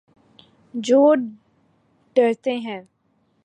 جو ڈرتے ہیں